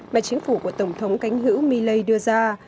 mà chính phủ của tổng thống cánh hữu milley đưa ra